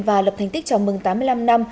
và lập thành tích chào mừng tám mươi năm năm